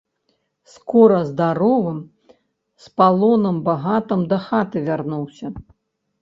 Скора здаровым з палонам багатым дахаты вярнуўся!